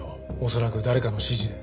恐らく誰かの指示で。